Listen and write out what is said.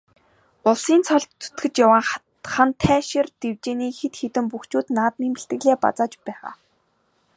Улсын цолд зүтгэж яваа Хантайшир дэвжээний хэд хэдэн бөхчүүд наадмын бэлтгэлээ базааж байгаа.